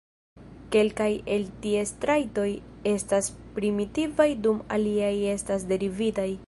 Kelkaj el ties trajtoj estas primitivaj dum aliaj estas derivitaj.